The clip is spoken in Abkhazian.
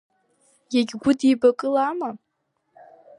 Иагьгәыдеибакылама?!